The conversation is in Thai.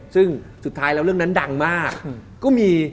ซึ่งสุดท้ายแล้วเรื่องนั้นดังมากก็มี